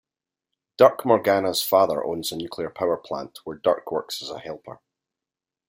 Dirk Morgna's father owns a nuclear power plant, where Dirk works as a helper.